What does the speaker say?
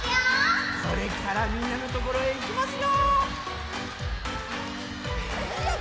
これからみんなのところへいきますよ！